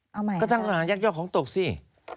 เอาใหม่นะครับก็ตั้งข้อหารับยักษ์ยอกของตกสิ